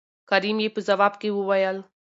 کريم يې په ځواب کې وويل